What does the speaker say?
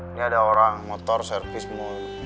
ini ada orang motor servis mul